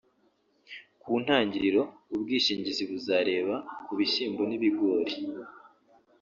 ku ntangiriro ubwishingizi buzareba ku bishyimbo n’ibigori